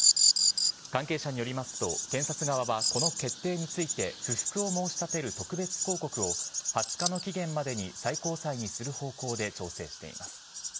関係者によりますと検察側は、この決定について不服を申し立てる特別抗告を２０日の期限までに最高裁にする方向で調整しています。